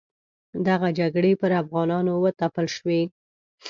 دغه جګړې پر افغانانو وتپل شوې.